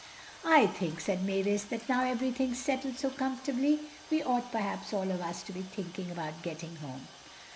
"I think," said Mavis, "that now everything's settled so comfortably we ought perhaps all of us to be thinking about getting home."